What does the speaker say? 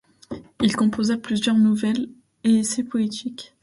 Il composa plusieurs nouvelles et essais poétiques.